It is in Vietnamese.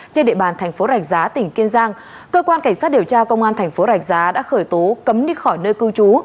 trên địa bàn thành phố rạch giá tỉnh kiên giang cơ quan cảnh sát điều tra công an thành phố rạch giá đã khởi tố cấm đi khỏi nơi cư trú